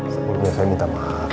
sebelumnya saya minta maaf